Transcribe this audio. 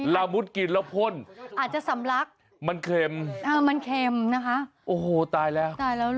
ละมุดกินแล้วพ่นมันเค็มอาจจะสำลักนะคะโอ้โหตายแล้ว